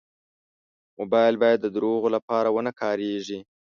موبایل باید د دروغو لپاره و نه کارېږي.